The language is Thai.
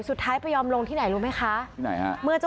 สุดท้ายไปยอมลงที่ไหนรู้ไหมคะ